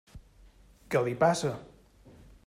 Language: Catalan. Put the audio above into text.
Què li passa?